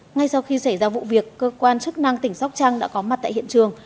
ngay sau khi xảy ra vụ việc cơ quan chức năng tỉnh sóc trăng đã có mặt tại hiện trường